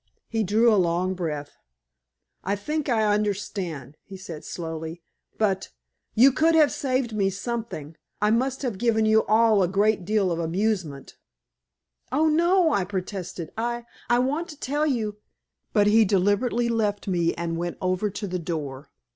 He drew a long breath. "I think I understand," he said slowly, "but you could have saved me something. I must have given you all a great deal of amusement." "Oh, no," I protested. "I I want to tell you " But he deliberately left me and went over to the door.